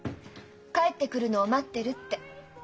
「帰ってくるのを待ってる」って。